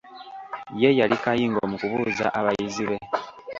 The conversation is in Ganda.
Ye yali kayingo mu kubuuza abayizi be.